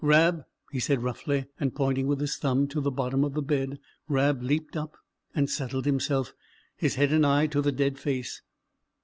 "Rab!" he said roughly, and pointing with his thumb to the bottom of the bed. Rab leapt up and settled himself; his head and eye to the dead face.